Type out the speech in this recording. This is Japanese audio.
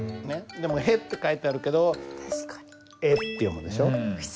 でも「へ」って書いてあるけど「え」って読むでしょ。